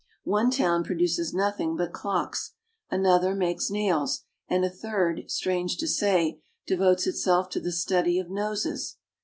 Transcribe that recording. One town produces nothing but clocks, another makes nails, and a third, strange to say, devotes itself to the study of noses.